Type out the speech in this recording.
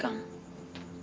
kamu mau pergi kerja